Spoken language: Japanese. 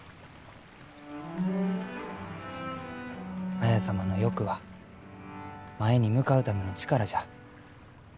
綾様の欲は前に向かうための力じゃ。